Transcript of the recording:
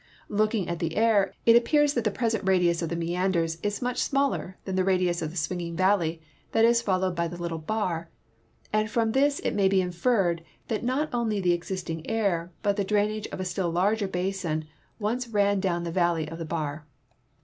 Looking at the Aire, it appears that the present radius of the meanders is much smaller than the radius of the swinging valley that is followed by the little Bar, and from this it may be inferretl that not only the existing Aire but the drainage of a still larger basin once ran down the valley of the Bar.